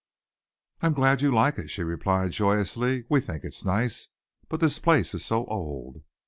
"I'm glad you like it," she replied joyously. "We think it's nice, but this place is so old."